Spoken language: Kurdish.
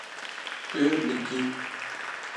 Tu dikî